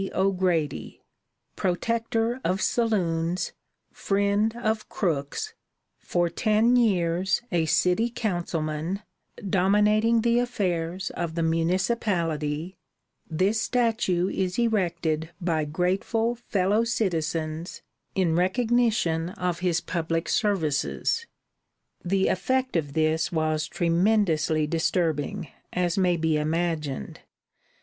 O'GRADY PROTECTOR OF SALOONS, FRIEND OF CROOKS FOR TEN YEARS A CITY COUNCILMAN DOMINATING THE AFFAIRS OF THE MUNICIPALITY THIS STATUE IS ERECTED BY GRATEFUL FELLOW CITIZENS IN RECOGNITION OF HIS PUBLIC SERVICES The effect of this was tremendously disturbing, as may be imagined.